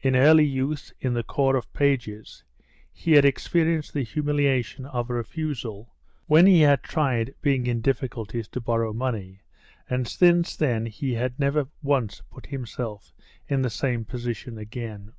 In early youth in the Corps of Pages, he had experienced the humiliation of a refusal, when he had tried, being in difficulties, to borrow money, and since then he had never once put himself in the same position again.